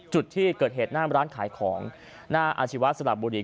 จุดที่เกิดเหตุหน้าร้านขายของหน้าอาชีวะสลับบุรี